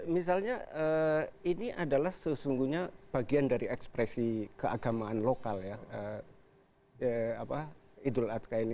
misalnya ini adalah sesungguhnya bagian dari ekspresi keagamaan